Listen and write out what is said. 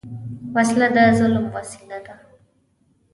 وسله د ظلم وسیله ده